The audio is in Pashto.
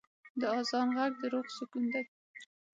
د آذان ږغ د روح سکون دی.